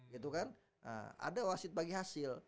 gitu kan ada wasit bagi hasil